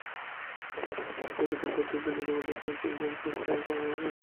সেই বৃত্তের প্রত্যেক বিন্দু জীবন্ত, সচেতন, সক্রিয় এবং সমভাবে কর্ম করিতেছে।